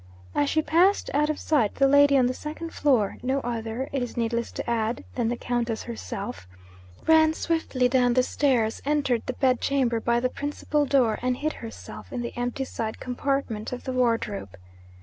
As she passed out of sight, the lady on the second floor (no other, it is needless to add, than the Countess herself) ran swiftly down the stairs, entered the bed chamber by the principal door, and hid herself in the empty side compartment of the wardrobe.